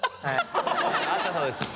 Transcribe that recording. あったそうです。